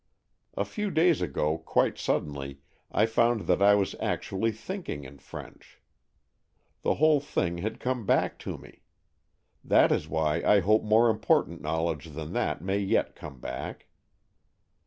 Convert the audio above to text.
A few days ago, quite suddenly, I found that I was actually thinking in French. The whole thing had come back to me. That is why I hope more important knowledge than that may yet come back."